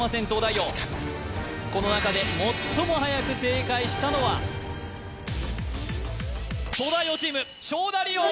確かにこの中で最もはやく正解したのは東大王チーム勝田り